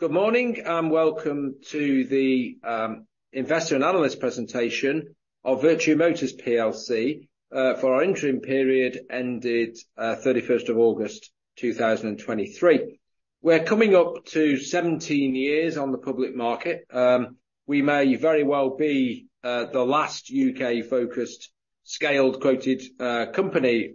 Good morning, and welcome to the investor and analyst presentation of Vertu Motors plc for our interim period ended 31st of August 2023. We're coming up to 17 years on the public market. We may very well be the last U.K.-focused, scaled, quoted company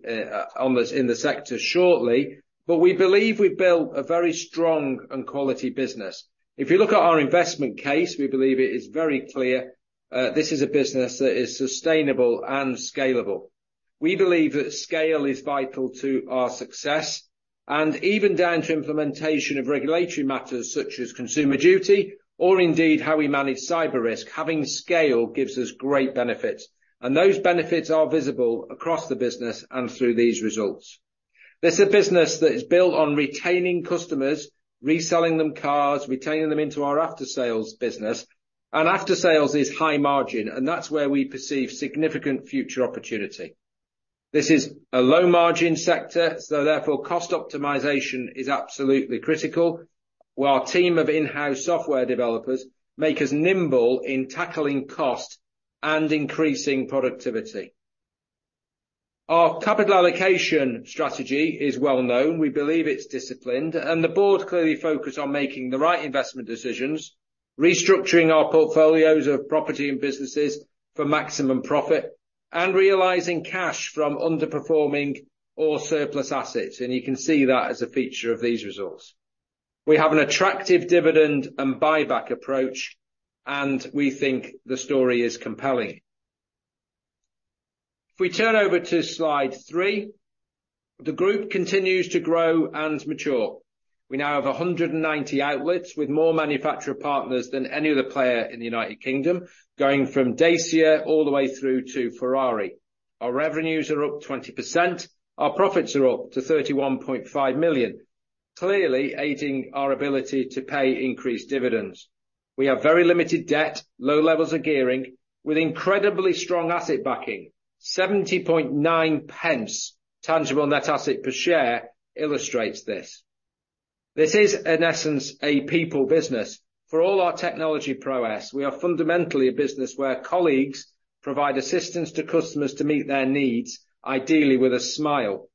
on this, in the sector shortly, but we believe we've built a very strong and quality business. If you look at our investment case, we believe it is very clear this is a business that is sustainable and scalable. We believe that scale is vital to our success, and even down to implementation of regulatory matters such as Consumer Duty, or indeed, how we manage cyber risk, having scale gives us great benefits, and those benefits are visible across the business and through these results. This is a business that is built on retaining customers, reselling them cars, retaining them into our aftersales business, and aftersales is high margin, and that's where we perceive significant future opportunity. This is a low-margin sector, so therefore cost optimization is absolutely critical, where our team of in-house software developers make us nimble in tackling cost and increasing productivity. Our capital allocation strategy is well known. We believe it's disciplined, and the board clearly focus on making the right investment decisions, restructuring our portfolios of property and businesses for maximum profit, and realizing cash from underperforming or surplus assets, and you can see that as a feature of these results. We have an attractive dividend and buyback approach, and we think the story is compelling. If we turn over to slide 3, the group continues to grow and mature. We now have 190 outlets, with more manufacturer partners than any other player in the United Kingdom, going from Dacia all the way through to Ferrari. Our revenues are up 20%. Our profits are up to 31.5 million, clearly aiding our ability to pay increased dividends. We have very limited debt, low levels of gearing, with incredibly strong asset backing. 70.9 pence tangible net asset per share illustrates this. This is, in essence, a people business. For all our technology prowess, we are fundamentally a business where colleagues provide assistance to customers to meet their needs, ideally with a smile.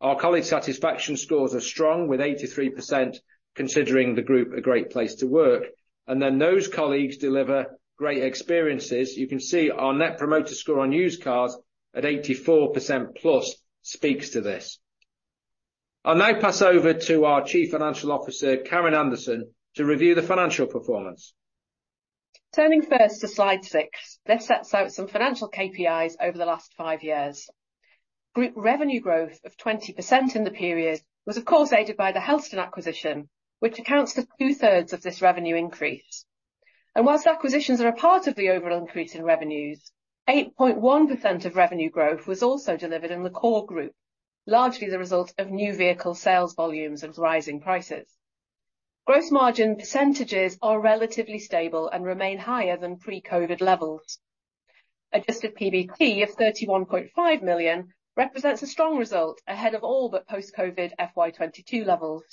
Our colleague satisfaction scores are strong, with 83% considering the group a great place to work, and then those colleagues deliver great experiences. You can see our Net Promoter Score on used cars at 84%+, which speaks to this. I'll now pass over to our Chief Financial Officer, Karen Anderson, to review the financial performance. Turning first to slide 6, this sets out some financial KPIs over the last 5 years. Group revenue growth of 20% in the period was, of course, aided by the Helston acquisition, which accounts for two-thirds of this revenue increase. While acquisitions are a part of the overall increase in revenues, 8.1% of revenue growth was also delivered in the core group, largely the result of new vehicle sales volumes and rising prices. Gross margin percentages are relatively stable and remain higher than pre-COVID levels. Adjusted PBT of 31.5 million represents a strong result ahead of all, but post-COVID FY 2022 levels.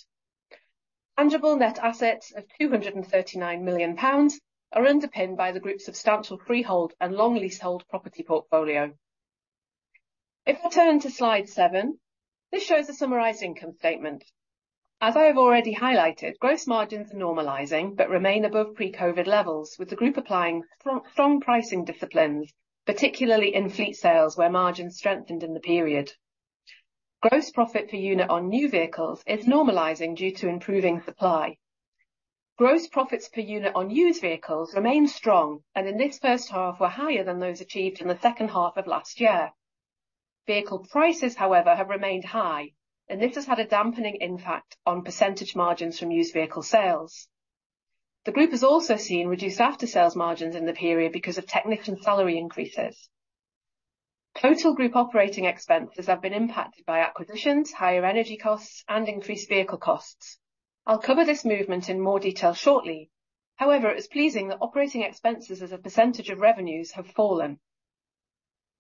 Tangible net assets of 239 million pounds are underpinned by the group's substantial freehold and long leasehold property portfolio. If I turn to slide 7, this shows a summarized income statement. As I have already highlighted, gross margins are normalizing but remain above pre-COVID levels, with the group applying strong, strong pricing disciplines, particularly in fleet sales, where margins strengthened in the period. Gross profit per unit on new vehicles is normalizing due to improving supply. Gross profits per unit on used vehicles remain strong, and in this first half, were higher than those achieved in the second half of last year. Vehicle prices, however, have remained high, and this has had a dampening impact on percentage margins from used vehicle sales. The group has also seen reduced aftersales margins in the period because of technician salary increases. Total group operating expenses have been impacted by acquisitions, higher energy costs, and increased vehicle costs. I'll cover this movement in more detail shortly. However, it is pleasing that operating expenses as a percentage of revenues have fallen.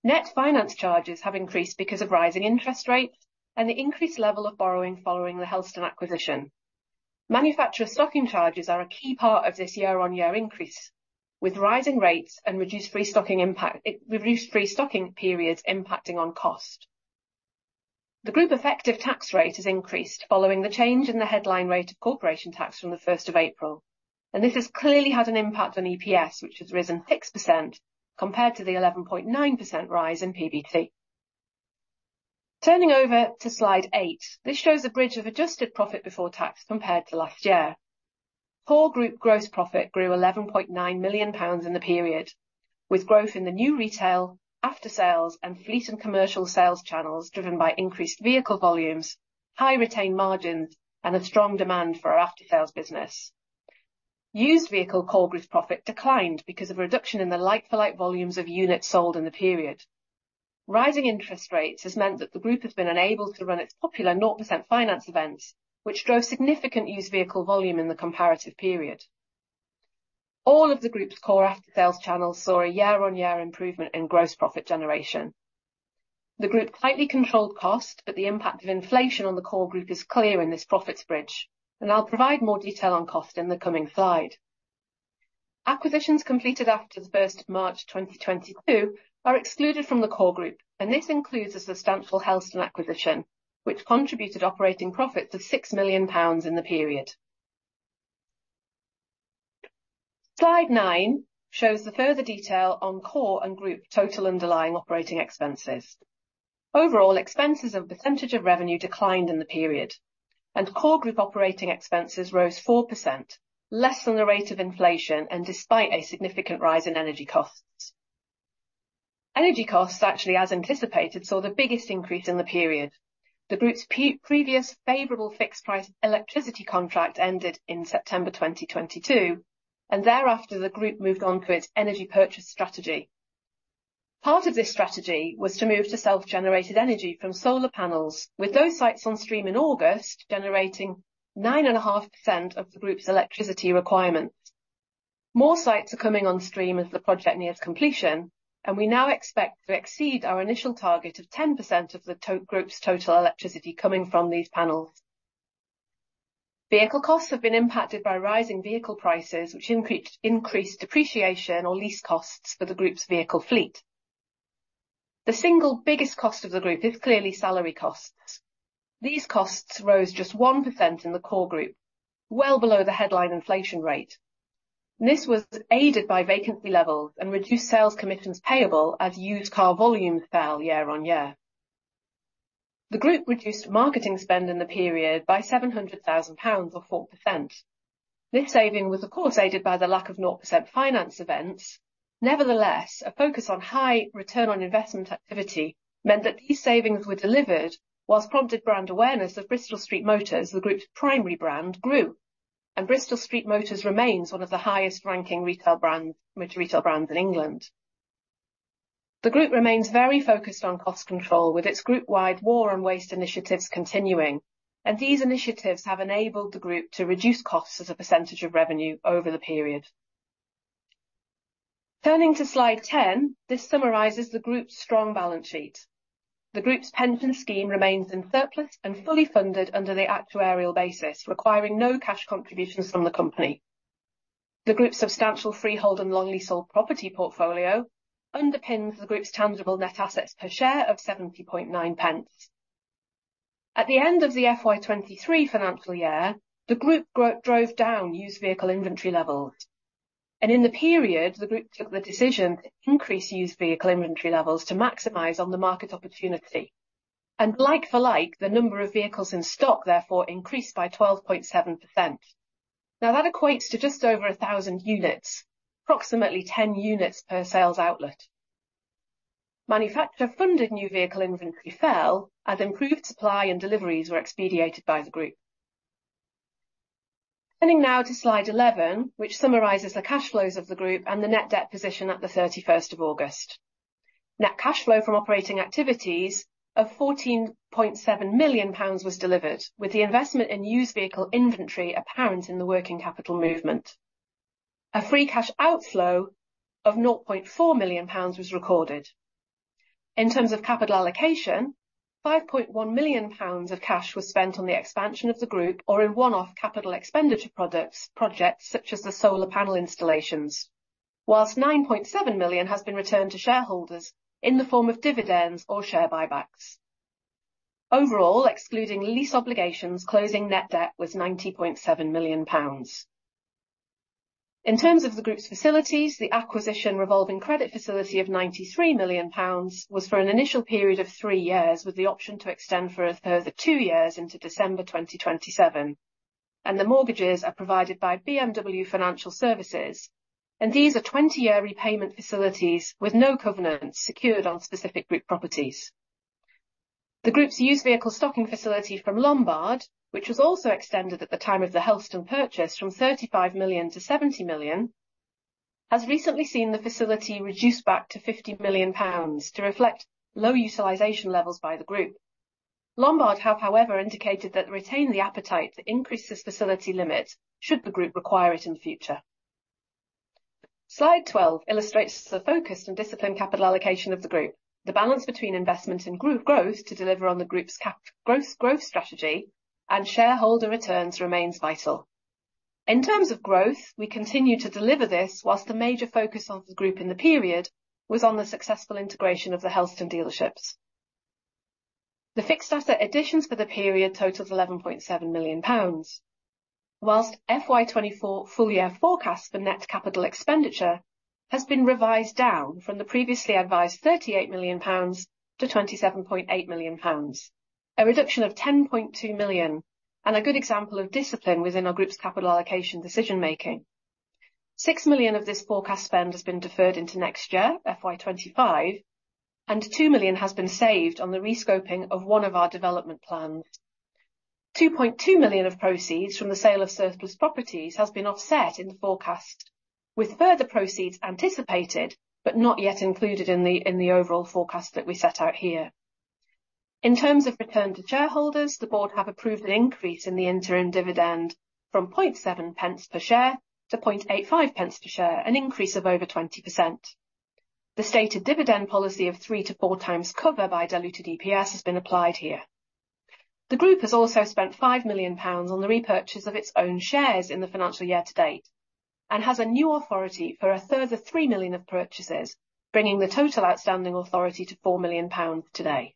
Net finance charges have increased because of rising interest rates and the increased level of borrowing following the Helston acquisition. Manufacturer stocking charges are a key part of this year-on-year increase, with rising rates and reduced free stocking impact, reduced free stocking periods impacting on cost. The group effective tax rate has increased following the change in the headline rate of corporation tax from the first of April, and this has clearly had an impact on EPS, which has risen 6% compared to the 11.9% rise in PBT. Turning over to slide 8, this shows a bridge of adjusted profit before tax compared to last year. Core Group gross profit grew 11.9 million pounds in the period, with growth in the new retail, aftersales, and fleet and commercial sales channels driven by increased vehicle volumes, high retained margins, and a strong demand for our aftersales business. Used vehicle core group profit declined because of a reduction in the like-for-like volumes of units sold in the period. Rising interest rates has meant that the group has been unable to run its popular 0% finance events, which drove significant used vehicle volume in the comparative period. All of the group's core aftersales channels saw a year-on-year improvement in gross profit generation. The group tightly controlled cost, but the impact of inflation on the core group is clear in this profits bridge, and I'll provide more detail on cost in the coming slide. Acquisitions completed after the first of March 2022 are excluded from the core group, and this includes a substantial Helston acquisition, which contributed operating profits of 6 million pounds in the period. Slide 9 shows the further detail on core and group total underlying operating expenses. Overall, expenses and percentage of revenue declined in the period, and core group operating expenses rose 4%, less than the rate of inflation, and despite a significant rise in energy costs. Energy costs, actually, as anticipated, saw the biggest increase in the period. The group's pre-previous favorable fixed price electricity contract ended in September 2022, and thereafter, the group moved on to its energy purchase strategy. Part of this strategy was to move to self-generated energy from solar panels, with those sites on stream in August, generating 9.5% of the group's electricity requirements. More sites are coming on stream as the project nears completion, and we now expect to exceed our initial target of 10% of the total group's total electricity coming from these panels. Vehicle costs have been impacted by rising vehicle prices, which increased depreciation or lease costs for the group's vehicle fleet. The single biggest cost of the group is clearly salary costs. These costs rose just 1% in the core group, well below the headline inflation rate. This was aided by vacancy levels and reduced sales commissions payable as used car volumes fell year-over-year. The group reduced marketing spend in the period by 700 thousand pounds or 4%. This saving was, of course, aided by the lack of 0% finance events. Nevertheless, a focus on high return on investment activity meant that these savings were delivered, while prompted brand awareness of Bristol Street Motors, the group's primary brand, grew. Bristol Street Motors remains one of the highest-ranking retail brands, motor retail brands in England. The group remains very focused on cost control, with its group-wide War on Waste initiatives continuing, and these initiatives have enabled the group to reduce costs as a percentage of revenue over the period. Turning to slide 10, this summarizes the group's strong balance sheet. The group's pension scheme remains in surplus and fully funded under the actuarial basis, requiring no cash contributions from the company. The group's substantial freehold and long leasehold property portfolio underpins the group's tangible net assets per share of 0.709. At the end of the FY 2023 financial year, the group drove down used vehicle inventory levels, and in the period, the group took the decision to increase used vehicle inventory levels to maximize on the market opportunity. Like for like, the number of vehicles in stock therefore increased by 12.7%. Now, that equates to just over 1,000 units, approximately 10 units per sales outlet. Manufacturer-funded new vehicle inventory fell, and improved supply and deliveries were expedited by the group. Turning now to slide 11, which summarizes the cash flows of the group and the net debt position at the 31st of August. Net cash flow from operating activities of 14.7 million pounds was delivered, with the investment in used vehicle inventory apparent in the working capital movement. A free cash outflow of 0.4 million pounds was recorded. In terms of capital allocation, 5.1 million pounds of cash was spent on the expansion of the group or in one-off capital expenditure products, projects such as the solar panel installations. Whilst 9.7 million has been returned to shareholders in the form of dividends or share buybacks. Overall, excluding lease obligations, closing net debt was 90.7 million pounds. In terms of the group's facilities, the acquisition revolving credit facility of 93 million pounds was for an initial period of 3 years, with the option to extend for a further 2 years into December 2027, and the mortgages are provided by BMW Financial Services, and these are 20-year repayment facilities with no covenants secured on specific group properties. The group's used vehicle stocking facility from Lombard, which was also extended at the time of the Helston purchase, from 35 million to 70 million, has recently seen the facility reduced back to 50 million pounds to reflect low utilization levels by the group. Lombard have, however, indicated that they retain the appetite to increase this facility limit should the group require it in the future. Slide 12 illustrates the focused and disciplined capital allocation of the group. The balance between investment and group growth to deliver on the group's cap, growth, growth strategy and shareholder returns remains vital. In terms of growth, we continue to deliver this, whilst the major focus of the group in the period was on the successful integration of the Helston dealerships. The fixed asset additions for the period totals 11.7 million pounds, while FY 2024 full-year forecasts for net capital expenditure has been revised down from the previously advised 38 million pounds to 27.8 million pounds, a reduction of 10.2 million, and a good example of discipline within our group's capital allocation decision-making. 6 million of this forecast spend has been deferred into next year, FY 2025, and 2 million has been saved on the rescoping of one of our development plans. 2.2 million of proceeds from the sale of surplus properties has been offset in the forecast, with further proceeds anticipated, but not yet included in the overall forecast that we set out here.... In terms of return to shareholders, the board have approved an increase in the interim dividend from 0.7 pence per share to 0.85 pence per share, an increase of over 20%. The stated dividend policy of 3-4 times cover by diluted EPS has been applied here. The group has also spent 5 million pounds on the repurchase of its own shares in the financial year to date, and has a new authority for a further 3 million of purchases, bringing the total outstanding authority to 4 million pounds today.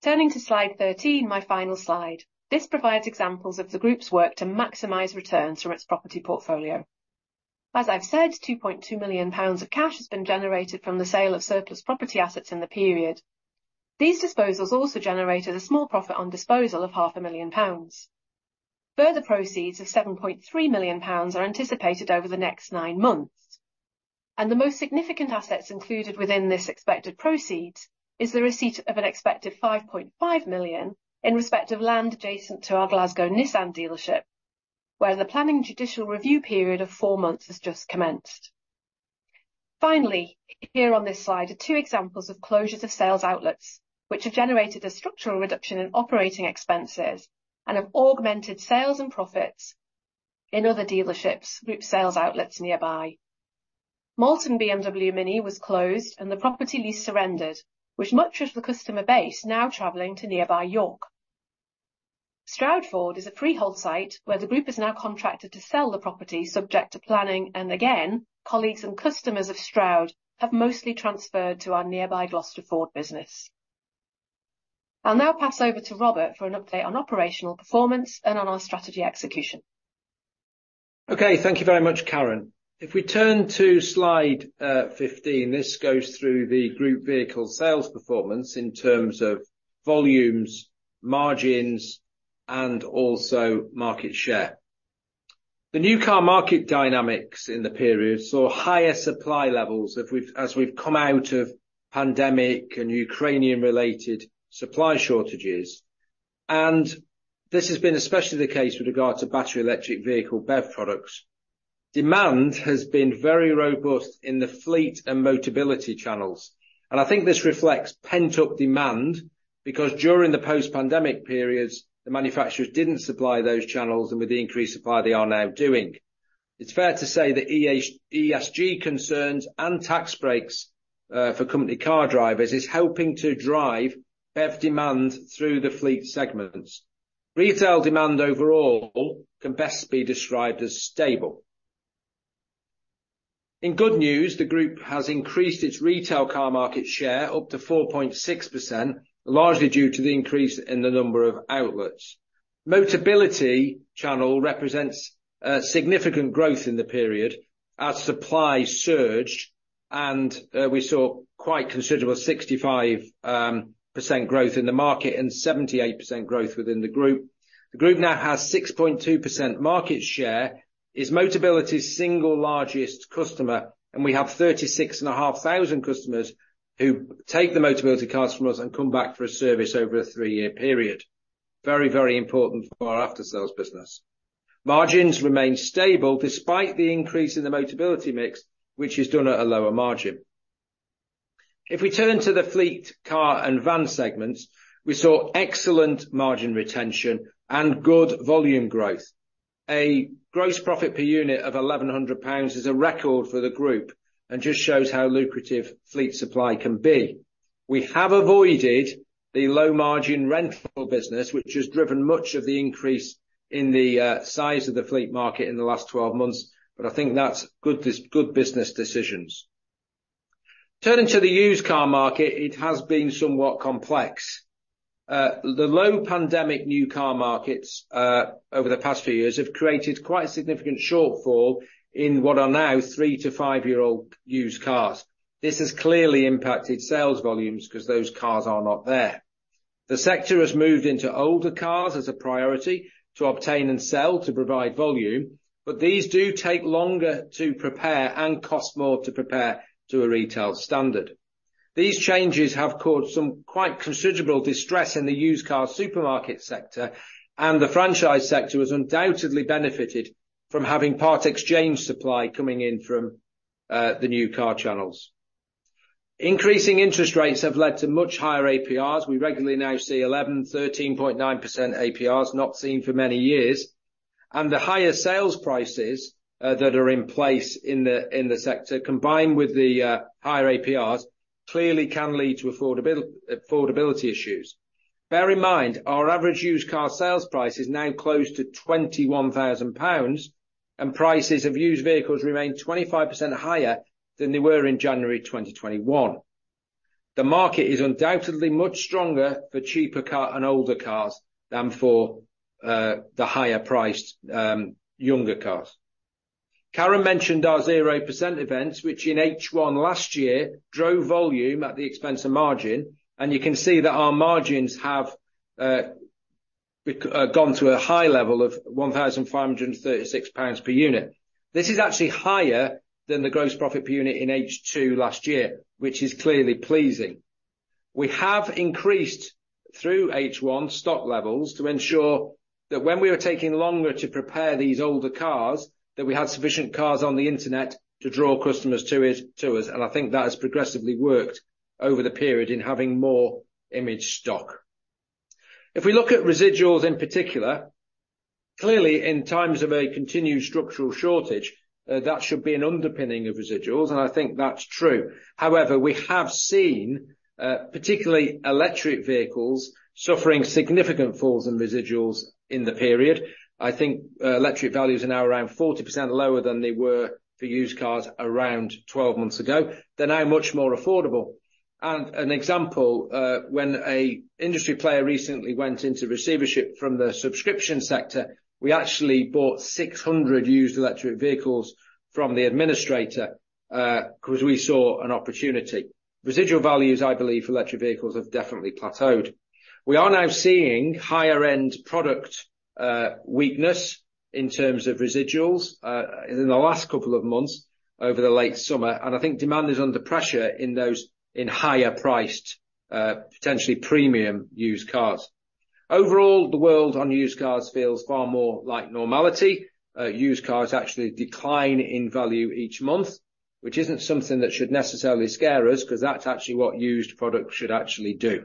Turning to slide 13, my final slide. This provides examples of the group's work to maximize returns from its property portfolio. As I've said, 2.2 million pounds of cash has been generated from the sale of surplus property assets in the period. These disposals also generated a small profit on disposal of 0.5 million pounds. Further proceeds of 7.3 million pounds are anticipated over the next nine months, and the most significant assets included within this expected proceeds is the receipt of an expected 5.5 million in respect of land adjacent to our Glasgow Nissan dealership, where the planning judicial review period of four months has just commenced. Finally, here on this slide are two examples of closures of sales outlets, which have generated a structural reduction in operating expenses and have augmented sales and profits in other dealerships, group sales outlets nearby. Malton BMW MINI was closed and the property lease surrendered, with much of the customer base now traveling to nearby York. Stroud Ford is a freehold site where the group is now contracted to sell the property, subject to planning, and again, colleagues and customers of Stroud have mostly transferred to our nearby Gloucester Ford business. I'll now pass over to Robert for an update on operational performance and on our strategy execution. Okay, thank you very much, Karen. If we turn to slide 15, this goes through the group vehicle sales performance in terms of volumes, margins, and also market share. The new car market dynamics in the period saw higher supply levels as we've come out of pandemic and Ukrainian-related supply shortages. This has been especially the case with regard to battery electric vehicle, BEV, products. Demand has been very robust in the fleet and Motability channels, and I think this reflects pent-up demand, because during the post-pandemic periods, the manufacturers didn't supply those channels, and with the increased supply, they are now doing. It's fair to say that ESG concerns and tax breaks for company car drivers is helping to drive BEV demand through the fleet segments. Retail demand overall can best be described as stable. In good news, the group has increased its retail car market share up to 4.6%, largely due to the increase in the number of outlets. Motability channel represents significant growth in the period as supply surged, and we saw quite considerable 65% growth in the market and 78% growth within the group. The group now has 6.2% market share, is Motability's single largest customer, and we have 36,500 customers who take the Motability cars from us and come back for a service over a three-year period. Very, very important for our after-sales business. Margins remain stable despite the increase in the Motability mix, which is done at a lower margin. If we turn to the fleet, car and van segments, we saw excellent margin retention and good volume growth. A gross profit per unit of 1,100 pounds is a record for the group and just shows how lucrative fleet supply can be. We have avoided the low-margin rental business, which has driven much of the increase in the size of the fleet market in the last 12 months, but I think that's good business decisions. Turning to the used car market, it has been somewhat complex. The low pandemic new car markets over the past few years have created quite a significant shortfall in what are now 3- to 5-year-old used cars. This has clearly impacted sales volumes, 'cause those cars are not there. The sector has moved into older cars as a priority to obtain and sell, to provide volume, but these do take longer to prepare and cost more to prepare to a retail standard. These changes have caused some quite considerable distress in the used car supermarket sector, and the franchise sector has undoubtedly benefited from having part exchange supply coming in from the new car channels. Increasing interest rates have led to much higher APRs. We regularly now see 11, 13.9% APRs, not seen for many years, and the higher sales prices that are in place in the sector, combined with the higher APRs, clearly can lead to affordability issues. Bear in mind, our average used car sales price is now close to 21,000 pounds, and prices of used vehicles remain 25% higher than they were in January 2021. The market is undoubtedly much stronger for cheaper car and older cars than for the higher priced younger cars. Karen mentioned our 0% events, which in H1 last year, drove volume at the expense of margin, and you can see that our margins have gone to a high level of 1,536 pounds per unit. This is actually higher than the gross profit per unit in H2 last year, which is clearly pleasing. We have increased stock levels through H1 to ensure that when we are taking longer to prepare these older cars, that we have sufficient cars on the internet to draw customers to it, to us, and I think that has progressively worked over the period in having more image stock. If we look at residuals in particular, clearly, in times of a continued structural shortage, that should be an underpinning of residuals, and I think that's true. However, we have seen, particularly electric vehicles suffering significant falls in residuals in the period. I think, electric values are now around 40% lower than they were for used cars around 12 months ago. They're now much more affordable. An example, when an industry player recently went into receivership from the subscription sector, we actually bought 600 used electric vehicles from the administrator, because we saw an opportunity. Residual values, I believe, for electric vehicles have definitely plateaued. We are now seeing higher-end product, weakness in terms of residuals, in the last couple of months over the late summer, and I think demand is under pressure in those, in higher priced, potentially premium used cars. Overall, the world on used cars feels far more like normality. Used cars actually decline in value each month, which isn't something that should necessarily scare us, 'cause that's actually what used products should actually do.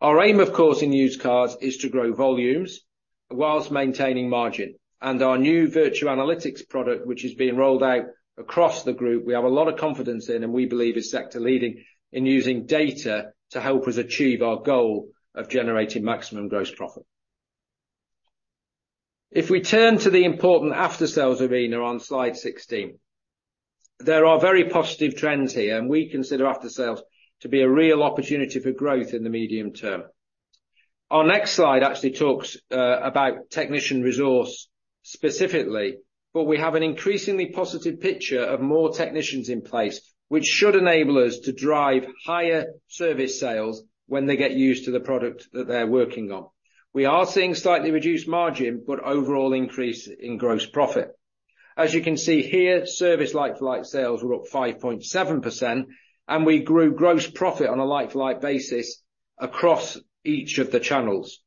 Our aim, of course, in used cars, is to grow volumes while maintaining margin, and our new Vertu Analytics product, which is being rolled out across the group, we have a lot of confidence in, and we believe is sector-leading in using data to help us achieve our goal of generating maximum gross profit. If we turn to the important aftersales arena on Slide 16, there are very positive trends here, and we consider aftersales to be a real opportunity for growth in the medium term. Our next slide actually talks about technician resource specifically, but we have an increasingly positive picture of more technicians in place, which should enable us to drive higher service sales when they get used to the product that they're working on. We are seeing slightly reduced margin, but overall increase in gross profit. As you can see here, service like-for-like sales were up 5.7%, and we grew gross profit on a like-for-like basis across each of the channels.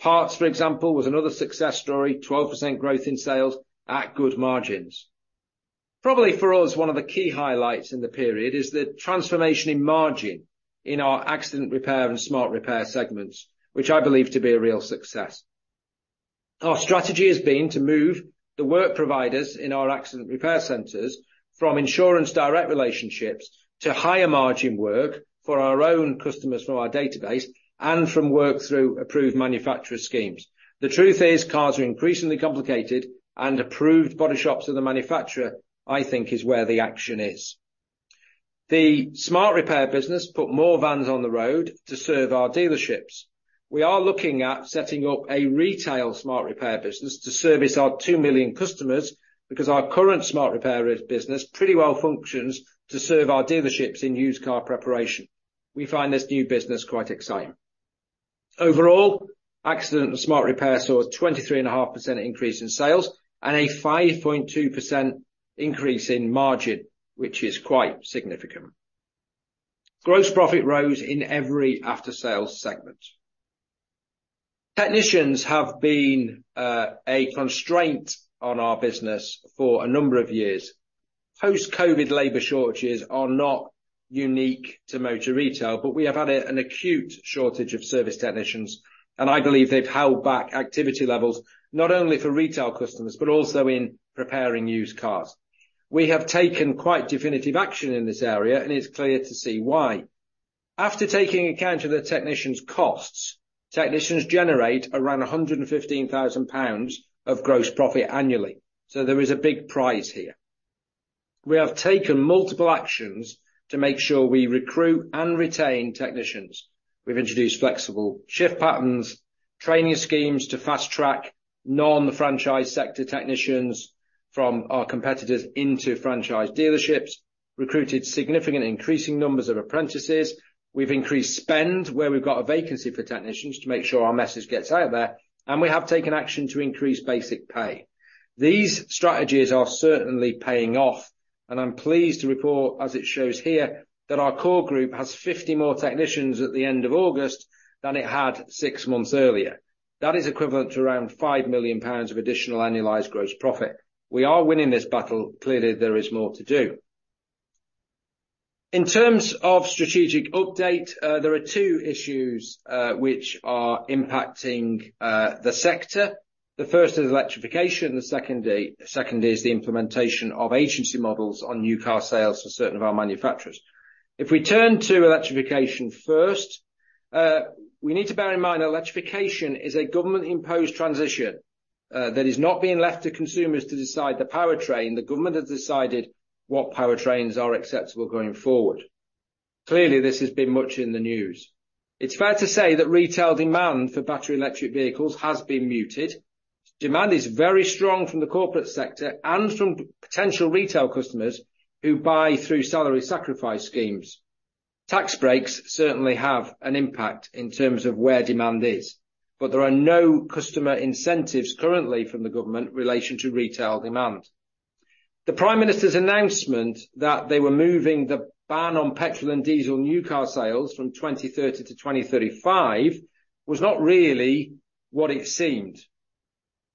Parts, for example, was another success story, 12% growth in sales at good margins. Probably for us, one of the key highlights in the period is the transformation in margin in our accident repair and smart repair segments, which I believe to be a real success. Our strategy has been to move the work providers in our accident repair centers from insurance direct relationships to higher margin work for our own customers, from our database and from work through approved manufacturer schemes. The truth is, cars are increasingly complicated, and approved body shops of the manufacturer, I think, is where the action is. The smart repair business put more vans on the road to serve our dealerships. We are looking at setting up a retail smart repair business to service our 2 million customers, because our current smart repair business pretty well functions to serve our dealerships in used car preparation. We find this new business quite exciting. Overall, accident and smart repair saw a 23.5% increase in sales and a 5.2% increase in margin, which is quite significant. Gross profit rose in every after-sales segment. Technicians have been a constraint on our business for a number of years. Post-COVID labor shortages are not unique to motor retail, but we have had an acute shortage of service technicians, and I believe they've held back activity levels, not only for retail customers, but also in preparing used cars. We have taken quite definitive action in this area, and it's clear to see why. After taking into account the technicians' costs, technicians generate around 115,000 pounds of gross profit annually, so there is a big prize here. We have taken multiple actions to make sure we recruit and retain technicians. We've introduced flexible shift patterns, training schemes to fast-track non-franchise sector technicians from our competitors into franchise dealerships, recruited significant increasing numbers of apprentices. We've increased spend where we've got a vacancy for technicians to make sure our message gets out there, and we have taken action to increase basic pay. These strategies are certainly paying off, and I'm pleased to report, as it shows here, that our core group has 50 more technicians at the end of August than it had six months earlier. That is equivalent to around 5 million pounds of additional annualized gross profit. We are winning this battle. Clearly, there is more to do. In terms of strategic update, there are two issues, which are impacting, the sector. The first is electrification, the second is, second is the implementation of agency models on new car sales for certain of our manufacturers. If we turn to electrification first, we need to bear in mind that electrification is a government-imposed transition, that is not being left to consumers to decide the powertrain. The government has decided what powertrains are acceptable going forward. Clearly, this has been much in the news. It's fair to say that retail demand for battery electric vehicles has been muted. Demand is very strong from the corporate sector and from potential retail customers who buy through salary sacrifice schemes. Tax breaks certainly have an impact in terms of where demand is, but there are no customer incentives currently from the government in relation to retail demand. The Prime Minister's announcement that they were moving the ban on petrol and diesel new car sales from 2030 to 2035 was not really what it seemed.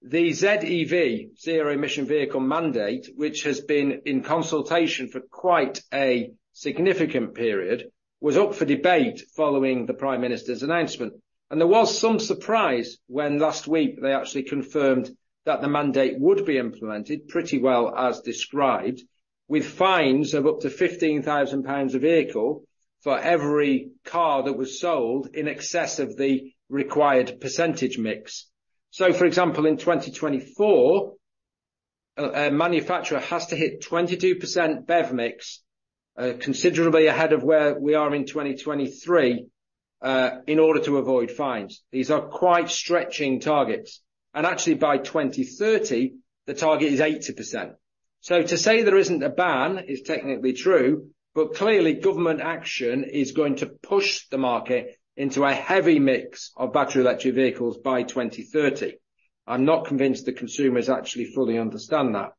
The ZEV, zero emission vehicle mandate, which has been in consultation for quite a significant period, was up for debate following the Prime Minister's announcement, and there was some surprise when last week they actually confirmed that the mandate would be implemented pretty well as described, with fines of up to 15,000 pounds a vehicle for every car that was sold in excess of the required percentage mix. So for example, in 2024, a manufacturer has to hit 22% BEV mix, considerably ahead of where we are in 2023, in order to avoid fines. These are quite stretching targets, and actually by 2030, the target is 80%. So to say there isn't a ban is technically true, but clearly, government action is going to push the market into a heavy mix of battery electric vehicles by 2030. I'm not convinced the consumers actually fully understand that.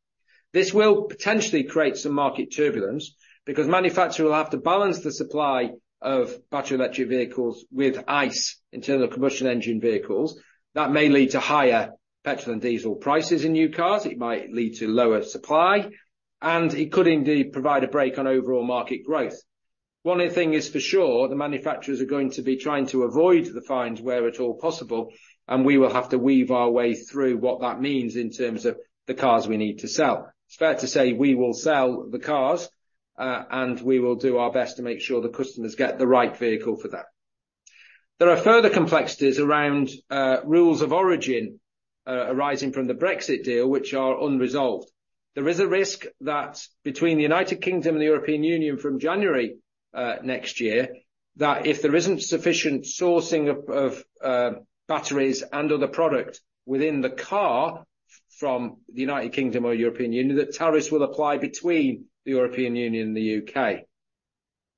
This will potentially create some market turbulence, because manufacturers will have to balance the supply of battery electric vehicles with ICE, internal combustion engine vehicles, that may lead to higher petrol and diesel prices in new cars. It might lead to lower supply, and it could indeed provide a break on overall market growth. One thing is for sure, the manufacturers are going to be trying to avoid the fines where at all possible, and we will have to weave our way through what that means in terms of the cars we need to sell. It's fair to say, we will sell the cars, and we will do our best to make sure the customers get the right vehicle for that. There are further complexities around rules of origin arising from the Brexit deal, which are unresolved. There is a risk that between the United Kingdom and the European Union from January next year, that if there isn't sufficient sourcing of batteries and other product within the car from the United Kingdom or European Union, that tariffs will apply between the European Union and the U.K.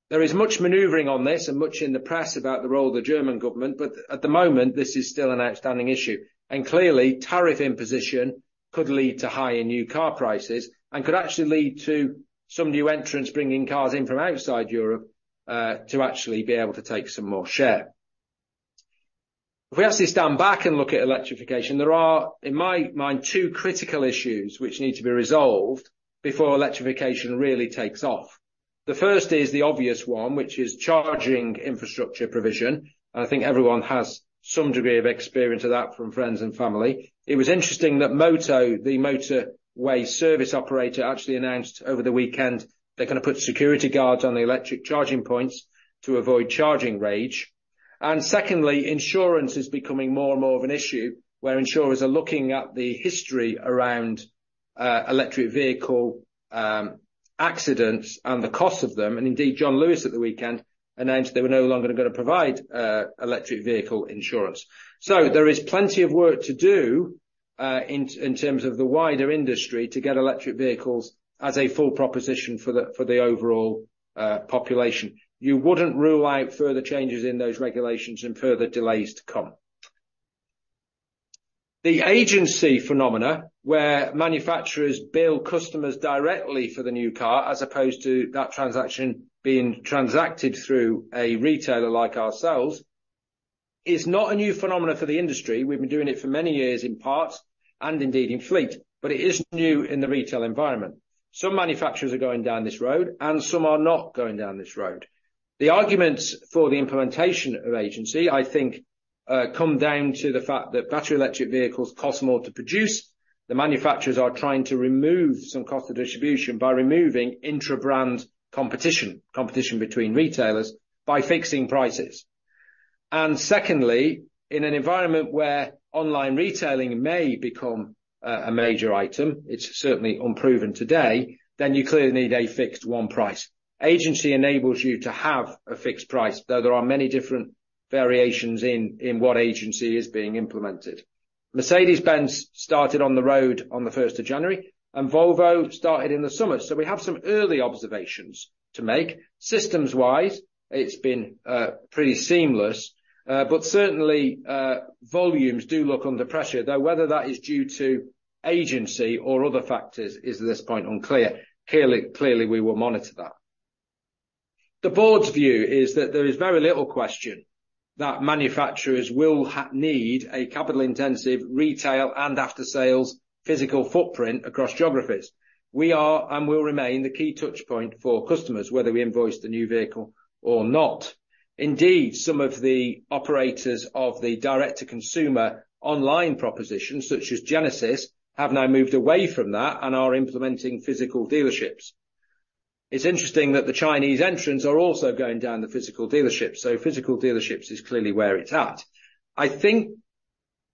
There is much maneuvering on this and much in the press about the role of the German government, but at the moment, this is still an outstanding issue. Clearly, tariff imposition could lead to higher new car prices and could actually lead to some new entrants bringing cars in from outside Europe to actually be able to take some more share. If we actually stand back and look at electrification, there are, in my mind, two critical issues which need to be resolved before electrification really takes off. The first is the obvious one, which is charging infrastructure provision, and I think everyone has some degree of experience of that from friends and family. It was interesting that Moto, the motorway service operator, actually announced over the weekend they're gonna put security guards on the electric charging points to avoid charging rage. Secondly, insurance is becoming more and more of an issue, where insurers are looking at the history around electric vehicle accidents and the cost of them, and indeed, John Lewis at the weekend announced they were no longer going to provide electric vehicle insurance. So there is plenty of work to do in terms of the wider industry, to get electric vehicles as a full proposition for the overall population. You wouldn't rule out further changes in those regulations and further delays to come. The agency phenomena, where manufacturers bill customers directly for the new car, as opposed to that transaction being transacted through a retailer like ourselves, is not a new phenomena for the industry. We've been doing it for many years, in part, and indeed in fleet, but it is new in the retail environment. Some manufacturers are going down this road and some are not going down this road. The arguments for the implementation of agency, I think, come down to the fact that battery electric vehicles cost more to produce. The manufacturers are trying to remove some cost of distribution by removing intrabrand competition, competition between retailers, by fixing prices. Secondly, in an environment where online retailing may become a major item, it's certainly unproven today, then you clearly need a fixed one price. Agency enables you to have a fixed price, though there are many different variations in what agency is being implemented. Mercedes-Benz started on the road on the first of January, and Volvo started in the summer, so we have some early observations to make. Systems-wise, it's been pretty seamless, but certainly volumes do look under pressure, though whether that is due to agency or other factors is at this point unclear. Clearly, clearly, we will monitor that. The board's view is that there is very little question that manufacturers will need a capital-intensive retail and after-sales physical footprint across geographies. We are and will remain the key touchpoint for customers, whether we invoice the new vehicle or not. Indeed, some of the operators of the direct-to-consumer online propositions, such as Genesis, have now moved away from that and are implementing physical dealerships. It's interesting that the Chinese entrants are also going down the physical dealerships, so physical dealerships is clearly where it's at. I think...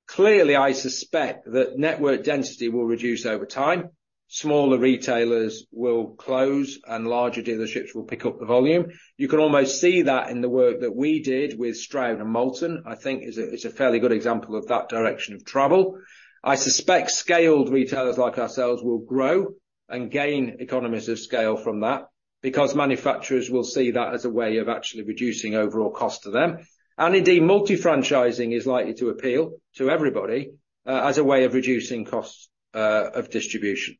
Clearly, I suspect that network density will reduce over time. Smaller retailers will close, and larger dealerships will pick up the volume. You can almost see that in the work that we did with Stroud and Malton. I think is a fairly good example of that direction of travel. I suspect scaled retailers like ourselves will grow and gain economies of scale from that... because manufacturers will see that as a way of actually reducing overall cost to them. Indeed, multi-franchising is likely to appeal to everybody, as a way of reducing costs of distribution.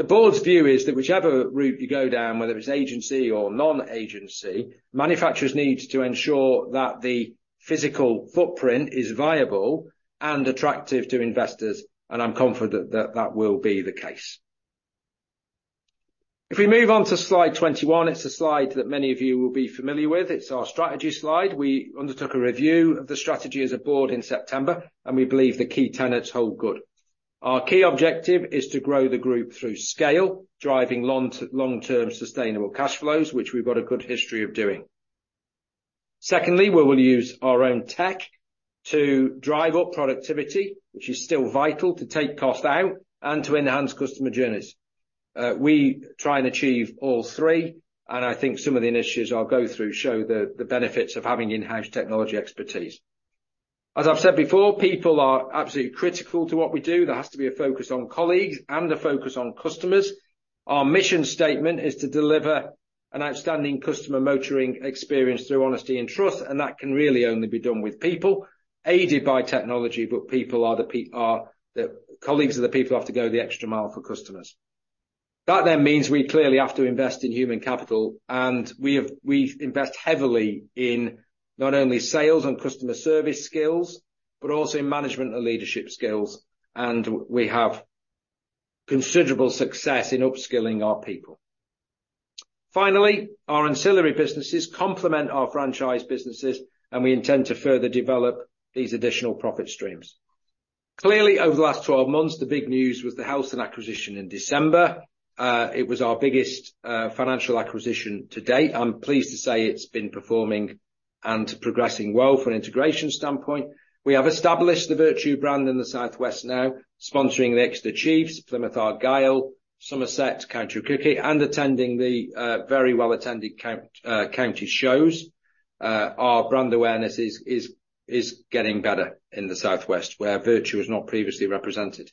The board's view is that whichever route you go down, whether it's agency or non-agency, manufacturers need to ensure that the physical footprint is viable and attractive to investors, and I'm confident that that will be the case. If we move on to slide 21, it's a slide that many of you will be familiar with. It's our strategy slide. We undertook a review of the strategy as a board in September, and we believe the key tenets hold good. Our key objective is to grow the group through scale, driving long-term sustainable cash flows, which we've got a good history of doing. Secondly, we will use our own tech to drive up productivity, which is still vital, to take cost out and to enhance customer journeys. We try and achieve all three, and I think some of the initiatives I'll go through show the benefits of having in-house technology expertise. As I've said before, people are absolutely critical to what we do. There has to be a focus on colleagues and a focus on customers. Our mission statement is to deliver an outstanding customer motoring experience through honesty and trust, and that can really only be done with people, aided by technology, but people are the colleagues are the people who have to go the extra mile for customers. That then means we clearly have to invest in human capital, and we have, we invest heavily in not only sales and customer service skills, but also in management and leadership skills, and we have considerable success in upskilling our people. Finally, our ancillary businesses complement our franchise businesses, and we intend to further develop these additional profit streams. Clearly, over the last 12 months, the big news was the Helston acquisition in December. It was our biggest financial acquisition to date. I'm pleased to say it's been performing and progressing well from an integration standpoint. We have established the Vertu brand in the Southwest now, sponsoring the Exeter Chiefs, Plymouth Argyle, Somerset County Cricket, and attending the very well-attended county shows. Our brand awareness is getting better in the Southwest, where Vertu was not previously represented.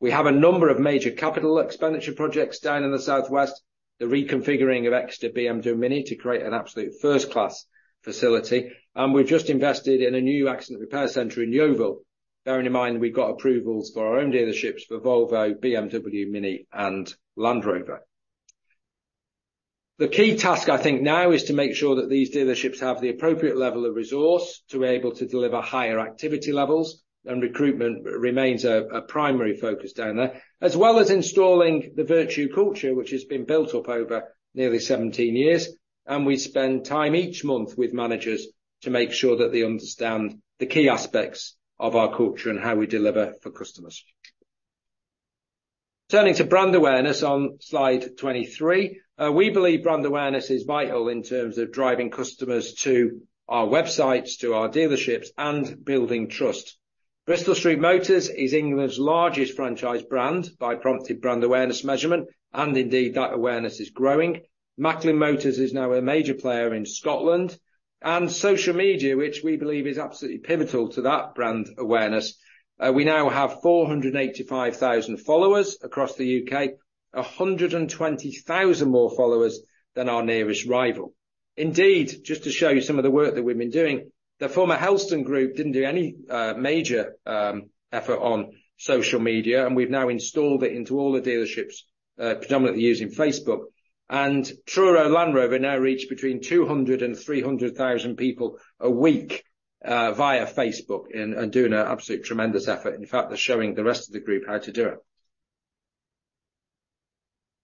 We have a number of major capital expenditure projects down in the Southwest, the reconfiguring of Exeter BMW and MINI to create an absolute first-class facility, and we've just invested in a new accident repair center in Yeovil, bearing in mind we've got approvals for our own dealerships for Volvo, BMW, MINI, and Land Rover. The key task, I think, now is to make sure that these dealerships have the appropriate level of resource to be able to deliver higher activity levels, and recruitment remains a primary focus down there, as well as installing the Vertu culture, which has been built up over nearly 17 years, and we spend time each month with managers to make sure that they understand the key aspects of our culture and how we deliver for customers. Turning to brand awareness on slide 23. We believe brand awareness is vital in terms of driving customers to our websites, to our dealerships, and building trust. Bristol Street Motors is England's largest franchise brand by prompted brand awareness measurement, and indeed, that awareness is growing. Macklin Motors is now a major player in Scotland. Social media, which we believe is absolutely pivotal to that brand awareness, we now have 485,000 followers across the UK, 120,000 more followers than our nearest rival. Indeed, just to show you some of the work that we've been doing, the former Helston Group didn't do any major effort on social media, and we've now installed it into all the dealerships, predominantly using Facebook. Truro Land Rover now reach between 200 and 300 thousand people a week via Facebook and doing an absolutely tremendous effort. In fact, they're showing the rest of the group how to do it.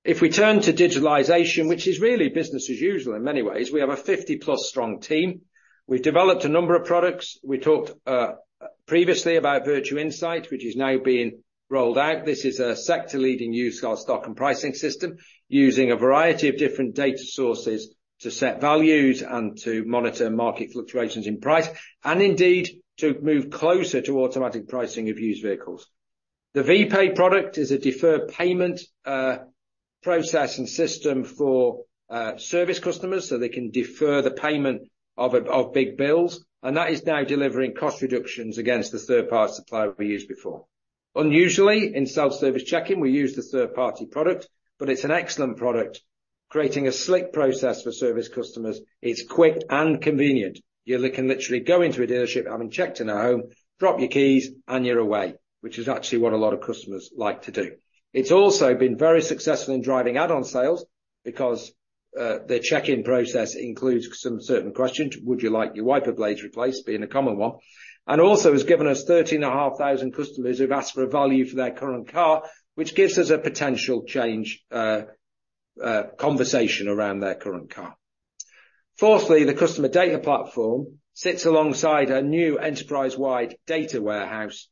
If we turn to digitalization, which is really business as usual in many ways, we have a 50-plus strong team. We've developed a number of products. We talked previously about Vertu Insight, which is now being rolled out. This is a sector-leading used car stock and pricing system, using a variety of different data sources to set values and to monitor market fluctuations in price, and indeed, to move closer to automatic pricing of used vehicles. The VPay product is a deferred payment process and system for service customers, so they can defer the payment of big bills, and that is now delivering cost reductions against the third-party supplier we used before. Unusually, in self-service check-in, we use the third-party product, but it's an excellent product. Creating a slick process for service customers is quick and convenient. You can literally go into a dealership, having checked in at home, drop your keys, and you're away, which is actually what a lot of customers like to do. It's also been very successful in driving add-on sales because their check-in process includes some certain questions. Would you like your wiper blades replaced?" being a common one, and also has given us 13,500 customers who've asked for a value for their current car, which gives us a potential change, conversation around their current car. Fourthly, the customer data platform sits alongside a new enterprise-wide data warehouse,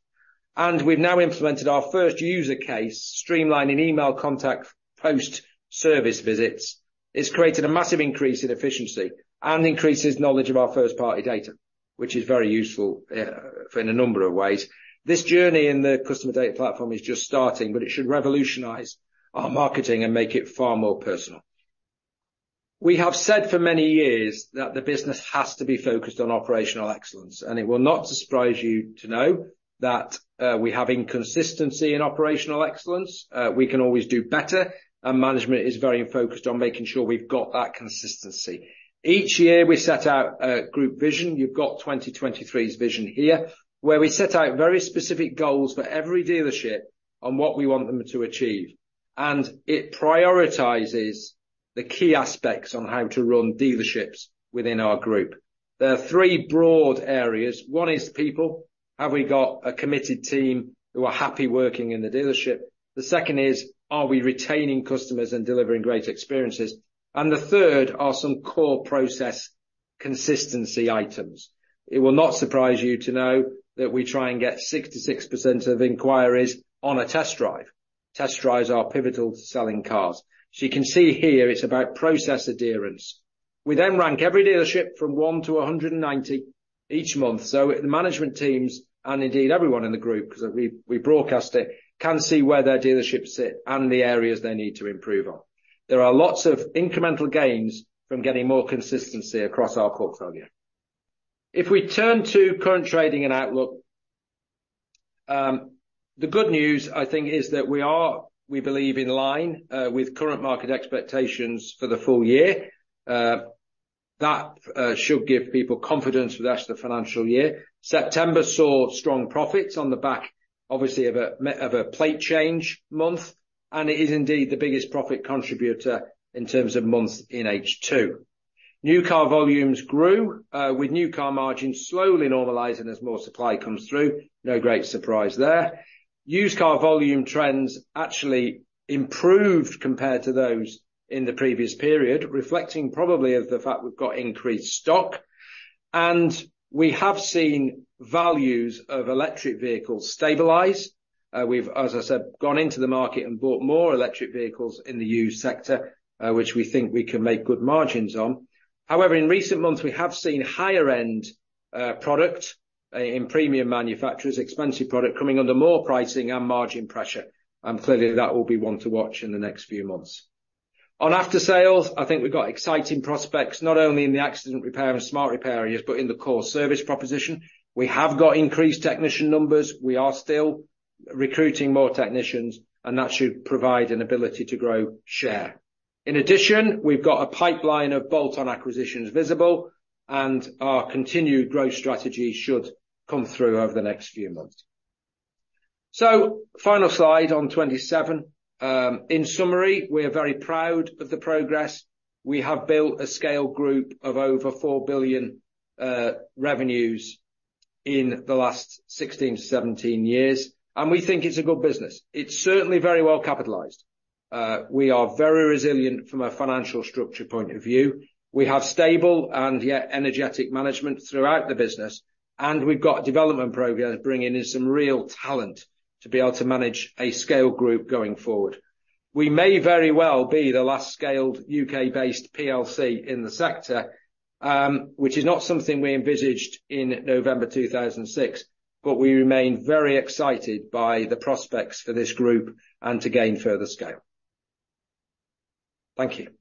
and we've now implemented our first use case, streamlining email contact post-service visits. It's created a massive increase in efficiency and increases knowledge of our first-party data, which is very useful, for in a number of ways. This journey in the customer data platform is just starting, but it should revolutionize our marketing and make it far more personal... We have said for many years that the business has to be focused on operational excellence, and it will not surprise you to know that, we have inconsistency in operational excellence. We can always do better, and management is very focused on making sure we've got that consistency. Each year, we set out a group vision. You've got 2023's vision here, where we set out very specific goals for every dealership on what we want them to achieve, and it prioritizes the key aspects on how to run dealerships within our group. There are three broad areas. One is people. Have we got a committed team who are happy working in the dealership? The second is, are we retaining customers and delivering great experiences? And the third are some core process consistency items. It will not surprise you to know that we try and get 66% of inquiries on a test drive. Test drives are pivotal to selling cars. So you can see here, it's about process adherence. We then rank every dealership from 1 to 190 each month, so the management teams, and indeed everyone in the group, 'cause we broadcast it, can see where their dealerships sit and the areas they need to improve on. There are lots of incremental gains from getting more consistency across our portfolio. If we turn to current trading and outlook, the good news, I think, is that we are, we believe, in line with current market expectations for the full year. That should give people confidence with the rest of the financial year. September saw strong profits on the back, obviously of a plate change month, and it is indeed the biggest profit contributor in terms of months in H2. New car volumes grew with new car margins slowly normalizing as more supply comes through. No great surprise there. Used car volume trends actually improved compared to those in the previous period, reflecting probably of the fact we've got increased stock, and we have seen values of electric vehicles stabilize. We've, as I said, gone into the market and bought more electric vehicles in the used sector, which we think we can make good margins on. However, in recent months, we have seen higher end product in premium manufacturers, expensive product, coming under more pricing and margin pressure, and clearly that will be one to watch in the next few months. On aftersales, I think we've got exciting prospects, not only in the accident repair and smart repair areas, but in the core service proposition. We have got increased technician numbers. We are still recruiting more technicians, and that should provide an ability to grow share. In addition, we've got a pipeline of bolt-on acquisitions visible, and our continued growth strategy should come through over the next few months. So final slide on 27. In summary, we are very proud of the progress. We have built a scale group of over 4 billion revenues in the last 16-17 years, and we think it's a good business. It's certainly very well capitalized. We are very resilient from a financial structure point of view. We have stable and yet energetic management throughout the business, and we've got development programs bringing in some real talent to be able to manage a scale group going forward. We may very well be the last scaled UK-based PLC in the sector, which is not something we envisaged in November 2006, but we remain very excited by the prospects for this group and to gain further scale. Thank you.